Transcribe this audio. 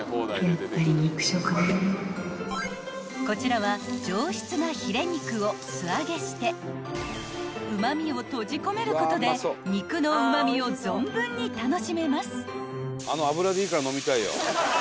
［こちらは上質なヒレ肉を素揚げしてうま味を閉じ込めることで肉のうま味を存分に楽しめます］